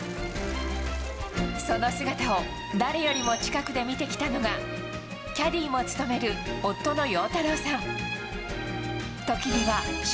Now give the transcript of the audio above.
その姿を、誰よりも近くで見てきたのが、キャディーも務める夫の陽太郎さん。